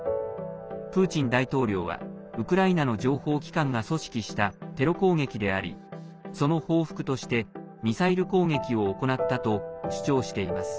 プーチン大統領はウクライナの情報機関が組織したテロ攻撃でありその報復として、ミサイル攻撃を行ったと主張しています。